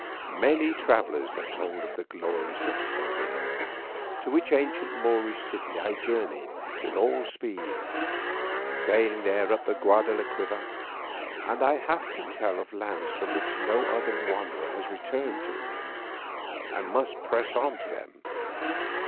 Many travellers have told of the glories of Seville, to which ancient Moorish city I journeyed with all speed, sailing there up the Guadalquivir, and I have to tell of lands from which no other wanderer has returned to England, and must press on to them.